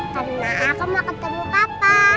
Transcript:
karena aku mau ketemu papa